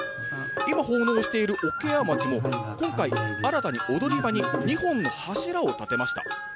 今、奉納している桶屋町も今回、新たに踊り場に２本の柱を立てました。